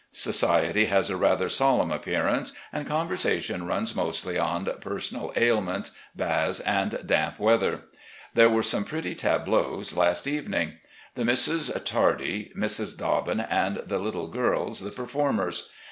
Society has a rather solemn appearance, and conversa tion runs mostly on personal ailments, baths, and damp weather. There were some pretty tableaux last evening. The Misses Tardy, Mrs. Dobbin, and the little girls, the performers.